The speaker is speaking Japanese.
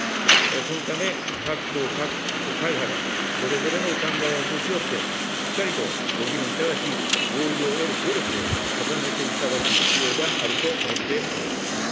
このため、各党・各会派がそれぞれのお考えを持ち寄って、しっかりとご議論いただき、合意を得る努力を重ねていただく必要があると思っております。